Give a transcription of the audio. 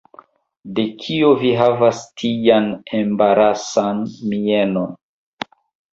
De kio vi havas tian embarasan mienon?